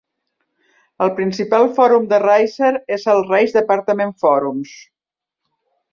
El principal fòrum de Racer és a RaceDepartment Forums.